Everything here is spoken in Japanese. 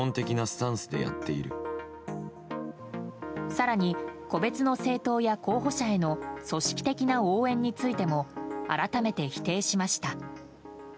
更に、個別の政党や候補者への組織的な応援についても改めて否定しました。